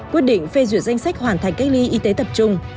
quyết định phê duyệt danh sách hoàn thành cách ly y tế tập trung